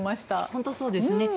本当にそうですね。